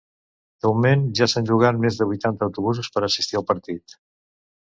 De moment, ja s’han llogat més de vuitanta autobusos per assistir al partit.